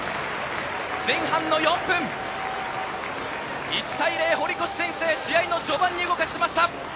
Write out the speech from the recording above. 前半４分、１対０、堀越先制、試合の序盤に動かしました。